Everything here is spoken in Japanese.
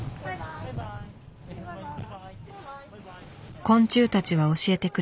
昆虫たちは教えてくれる。